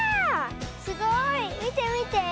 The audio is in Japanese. すごい。みてみて。